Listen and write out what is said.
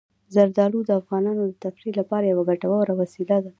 زردالو د افغانانو د تفریح لپاره یوه ګټوره وسیله ده.